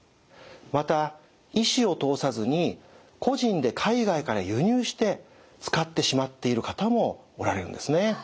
また医師を通さずに個人で海外から輸入して使ってしまっている方もおられるんですね。